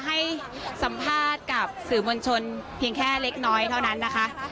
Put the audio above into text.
ให้สัมภาษณ์กับสื่อมวลชนเพียงแค่เล็กน้อยเท่านั้นนะคะ